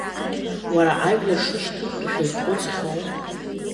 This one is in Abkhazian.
Уара, ажәлар шышьҭыхтәу шәазхәыцхьоу?